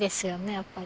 やっぱり。